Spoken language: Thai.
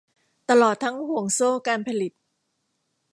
ตลอดทั้งห่วงโซ่การผลิต